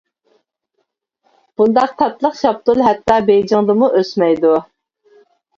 بۇنداق تاتلىق شاپتۇل ھەتتا بېيجىڭدىمۇ ئۆسمەيدۇ.